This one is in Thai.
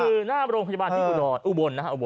นี่คือหน้าโรงพยาบาลที่อุบลนะครับ